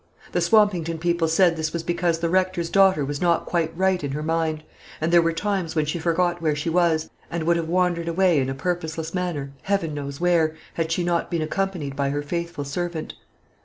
The Swampington people said this was because the Rector's daughter was not quite right in her mind; and there were times when she forgot where she was, and would have wandered away in a purposeless manner, Heaven knows where, had she not been accompanied by her faithful servant.